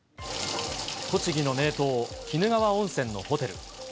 栃木の名湯、鬼怒川温泉のホテル。